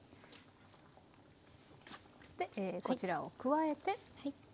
こちらを加えて。